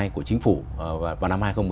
của chính phủ vào năm hai nghìn một mươi